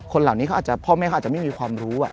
คนเหล่านี้พ่อแม่เขาอาจจะไม่มีความรู้